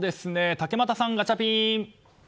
竹俣さん、ガチャピン！